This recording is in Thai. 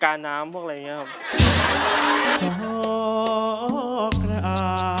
กาลน้ำพวกอะไรอย่างนี้อะ